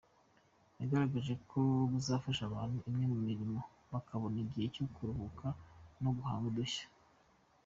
Yagaragaje ko buzafasha abantu imwe mu mirimo bakabona igihe cyo kuruhuka no guhanga udushya.